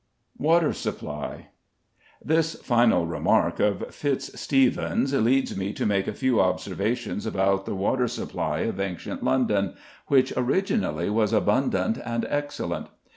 WATER SUPPLY. This final remark of Fitz Stephen's leads me to make a few observations about the water supply of ancient London, which originally was abundant and excellent.